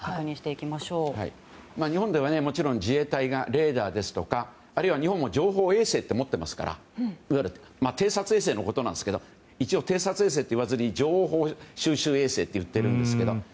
もちろん日本では自衛隊がレーダーですとかあるいは日本も情報衛星を持っていますからいわゆる偵察衛星のことですが一応、偵察衛星と言わずに情報収集衛星といっているんですけども。